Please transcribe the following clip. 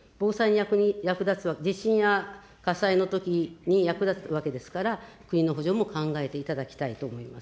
防災に役立つ、地震や火災のときに役立つわけですから、国の補助も考えていただきたいと思います。